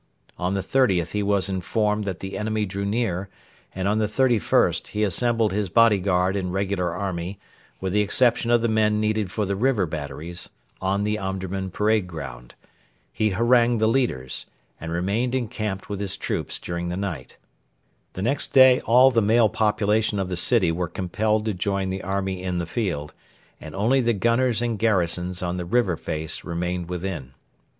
On the 30th he was informed that the enemy drew near, and on the 31st he assembled his bodyguard and regular army, with the exception of the men needed for the river batteries, on the Omdurman parade ground. He harangued the leaders; and remained encamped with his troops during the night. The next day all the male population of the city were compelled to join the army in the field, and only the gunners and garrisons on the river face remained within.